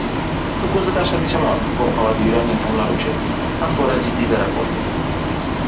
Nukusda dahshatli shamol. Ko‘pqavatli uylarning tomlari uchib, avtolar jiddiy zarar ko‘rdi